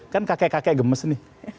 kan kakek kakek gemes nih